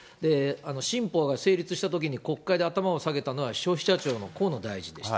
新法が成立したときに国会で頭を下げたのは、消費者庁の河野大臣でした。